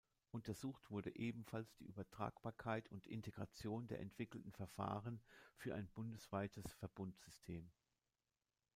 Untersucht wurde ebenfalls die Übertragbarkeit und Integration der entwickelten Verfahren für ein bundesweites Verbundsystem.